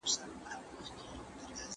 د ټولګیوالو سره اړیکې پیاوړې کېږي.